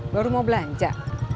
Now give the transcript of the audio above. baru mau belanja